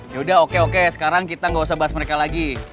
yaudah oke oke sekarang kita gak usah bahas mereka lagi